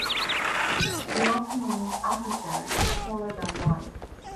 The opening (aperture) is taller than wide.